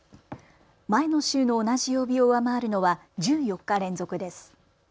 前の週の同じ曜日を上回るのは１４日連続です。